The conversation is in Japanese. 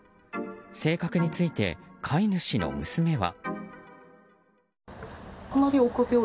性格について、飼い主の娘は。